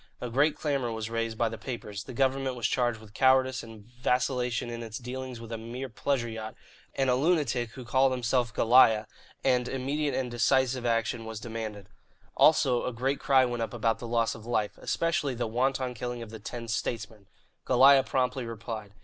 A great clamour was raised by the papers; the government was charged with cowardice and vacillation in its dealings with a mere pleasure yacht and a lunatic who called himself "Goliah," and immediate and decisive action was demanded. Also, a great cry went up about the loss of life, especially the wanton killing of the ten "statesmen." Goliah promptly replied.